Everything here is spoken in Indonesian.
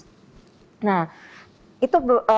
nah itu penyakit jantung itu yang terjadi